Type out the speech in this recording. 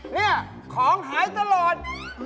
นี่ของหายตลอด